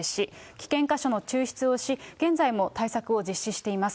危険個所の抽出をし、現在も対策を実施しています。